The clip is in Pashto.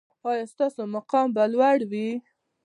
ایا ستاسو مقام به لوړ وي؟